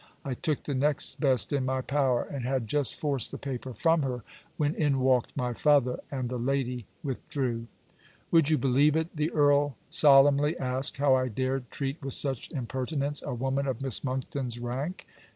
I took the next best, in my power; and had just forced the paper from her, when in walked my father, and the lady withdrew. Would you believe it? The earl solemnly asked how I dared treat with such impertinence a woman of Miss Monckton's rank?